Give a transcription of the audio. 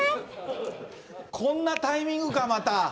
こんなタイミングか、また。